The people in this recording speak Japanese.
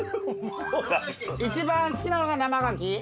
一番好きなのが生ガキ？